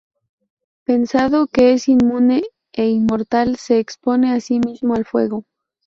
Pensando que es inmune e inmortal, se expone a sí mismo al fuego.